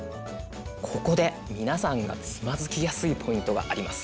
ここで皆さんがつまずきやすいポイントがあります。